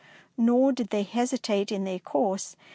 Nor did they hesitate in their course.